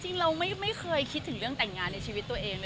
จริงเราไม่เคยคิดถึงเรื่องแต่งงานในชีวิตตัวเองเลย